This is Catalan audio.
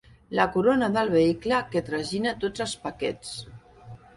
La corona del vehicle que tragina tots els paquets.